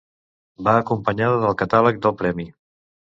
Va acompanyada del catàleg del Premi.